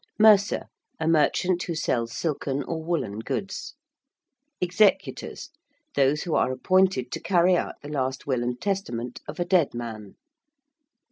~Mercer~: a merchant who sells silken or woollen goods. ~executors~: those who are appointed to carry out the last will and testament of a dead man.